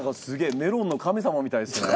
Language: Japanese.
メロンの神様みたいですね。